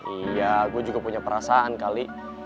iya gue juga punya perasaan kali